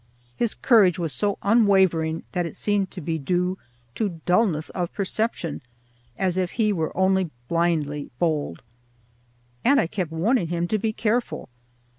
His courage was so unwavering that it seemed to be due to dullness of perception, as if he were only blindly bold; and I kept warning him to be careful.